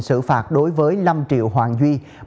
xử phạt đối với năm triệu hoàng duy